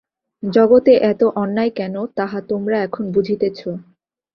জগতে এত অন্যায় কেন, তাহা তোমরা এখন বুঝিতেছ।